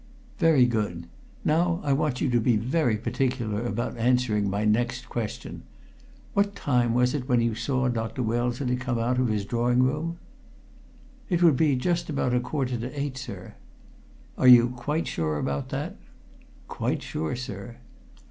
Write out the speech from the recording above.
"Very good. Now I want you to be very particular about answering my next question. What time was it when you saw Dr. Wellesley come out of his drawing room?" "It would be just about a quarter to eight, sir." "Are you quite sure about that?" "Quite sure, sir!"